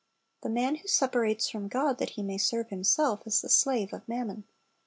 The man who separates from God that he may serve himself, is the slave of mammon.